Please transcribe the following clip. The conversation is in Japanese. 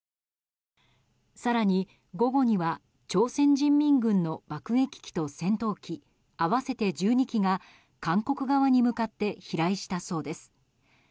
更に午後には朝鮮人民軍の爆撃機と戦闘機合わせて１２機が韓国側に向かって飛来したそうです。